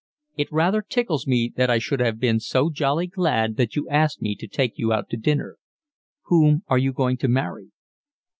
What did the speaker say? It rather tickles me that I should have been so jolly glad that you asked me to take you out to dinner. Whom are you going to marry?"